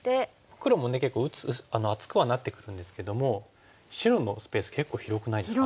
黒もね結構厚くはなってくるんですけども白のスペース結構広くないですか？